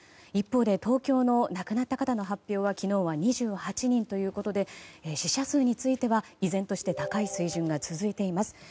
一方で、東京の亡くなった方の発表は昨日は２８人ということで死者数については依然として高い水準が続いています。